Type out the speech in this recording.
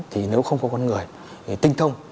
thì nếu không có con người tinh thông